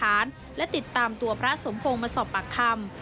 รวบรวมพยานหลักฐานและติดตามตัวพระสมพงษ์มาสอบปากคำ